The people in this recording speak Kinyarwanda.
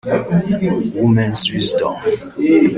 Women’s Wisdom